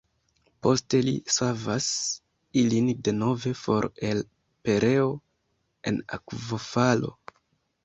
Poste li savas ilin denove for el pereo en akvofalo.